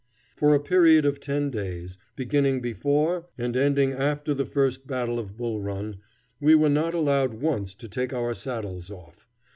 For a period of ten days, beginning before and ending after the first battle of Bull Run, we were not allowed once to take our saddles off.